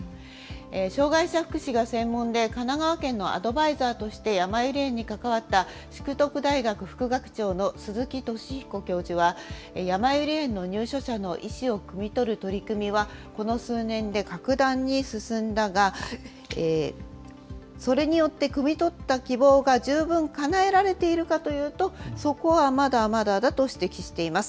障害者福祉が専門で、神奈川県のアドバイザーとしてやまゆり園に関わった、淑徳大学副学長の鈴木敏彦教授は、やまゆり園の入所者の意思をくみ取る取り組みは、この数年で格段に進んだが、それによってくみ取った希望が十分かなえられているかというと、そこはまだまだだと指摘しています。